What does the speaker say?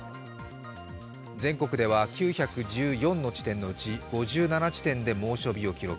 全国では９１４の地点のうち５７地点で猛暑日を記録。